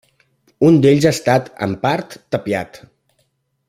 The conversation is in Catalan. Un d'ells ha estat, en part, tapiat.